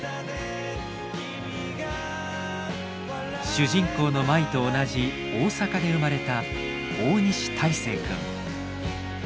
主人公の舞と同じ大阪で生まれた大西泰誠君。